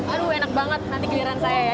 aduh enak banget nanti giliran saya ya